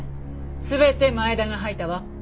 全て前田が吐いたわ。